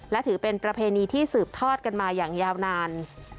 และถือเป็นประเพณีที่สืบทอดกันมาอย่างยาวนาน